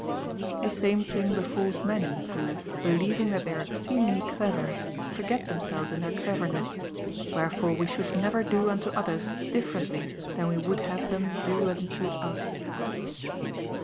The same thing befalls many who, believing that they are exceedingly clever, forget themselves in their cleverness; wherefore we should never do unto others differently than we would have them do unto us.